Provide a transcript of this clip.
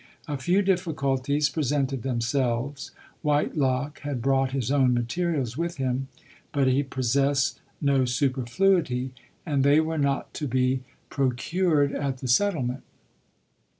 A few difficulties presented them selves. Whitelock had brought his own mate rials with him, but he possessed no superfluity — and they were not to be procured at the sett! 54 LODORE. ment.